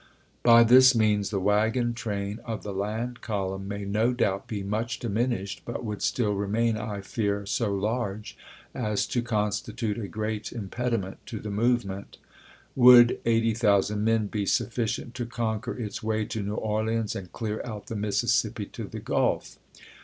By this means the wagon train of the laud column may no doubt be much diminished, but would still remain, I fear, so large as to constitute a great impediment to the movement. Would 80,000 men be sufficient to conquer its way to New Orleans and clear out the Mississippi to the GuK ?